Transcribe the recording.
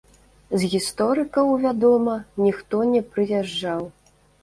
З гісторыкаў, вядома, ніхто не прыязджаў.